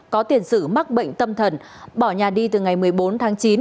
có tiền sử mắc bệnh tâm thần bỏ nhà đi từ ngày một mươi bốn tháng chín